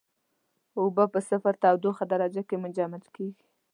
اوبه په صفر تودوخې درجه کې منجمد کیږي.